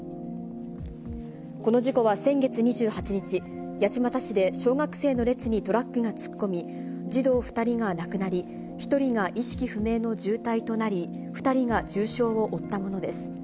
この事故は先月２８日、八街市で小学生の列にトラックが突っ込み、児童２人が亡くなり、１人が意識不明の重体となり、２人が重傷を負ったものです。